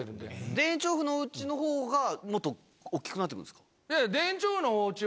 田園調布のおうちのほうがもっと大きくなっていくんですか？